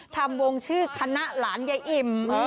ทำวงชื่อคณะหลานยายอิ่ม